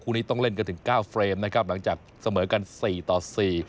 นี้ต้องเล่นกันถึงเก้าเฟรมนะครับหลังจากเสมอกันสี่ต่อสี่